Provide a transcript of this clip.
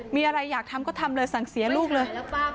มีอะไรอยากทำก็ทำเลยสั่งเสียลูกเลย